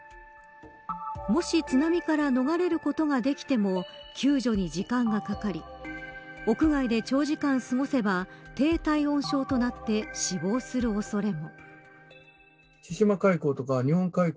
もし津波から逃れることができても救助に時間がかかり屋外で長時間過ごせば低体温症となって死亡する恐れも。